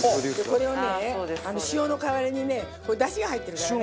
これをね塩の代わりにね出汁が入ってるからね。